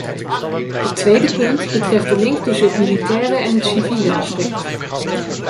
Het tweede punt betreft de link tussen het militaire en het civiele aspect.